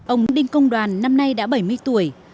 ông đinh công đoàn năm nay đã bảy mươi tuổi